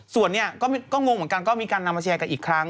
ส่วนเนี่ยก็งงเหมือนกันก็มีการนำมาแชร์กันอีกครั้ง